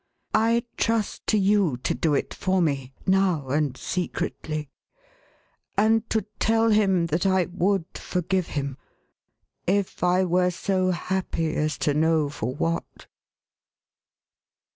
I trust to you to do it for me, now and secretly ; and to tell him that I would forgive him, if I were so happy as to know for what."